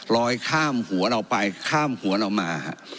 ลอยข้ามหัวเราไปข้ามหัวเรามา